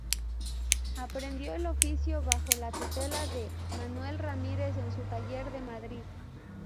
Aprendió el oficio bajo la tutela de Manuel Ramírez en su taller de Madrid.